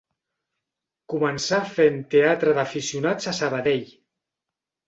Començà fent teatre d'aficionats a Sabadell.